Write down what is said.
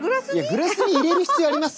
グラスに入れる必要あります？